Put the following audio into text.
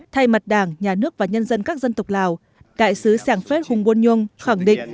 thay mặt đảng nhà nước và nhân dân các dân tộc lào đại sứ sàng phết hùng buôn nhung khẳng định